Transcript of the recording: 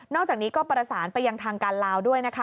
จากนี้ก็ประสานไปยังทางการลาวด้วยนะคะ